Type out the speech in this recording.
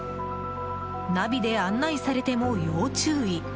ナビで案内されても要注意！